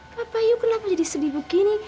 papa yuk kenapa jadi sedih begini